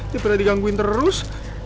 dia pernah digangguin terus